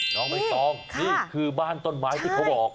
น้องใบตองนี่คือบ้านต้นไม้ที่เขาบอก